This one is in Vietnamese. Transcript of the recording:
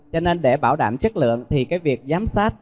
cho nên để bảo đảm chất lượng thì cái việc giám sát